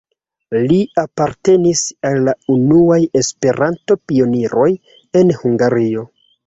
Li apartenis al la unuaj Esperanto-pioniroj en Hungario.